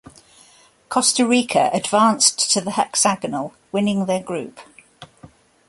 Costa Rica advanced to the hexagonal winning their group.